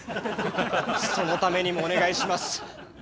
そのためにもお願いします。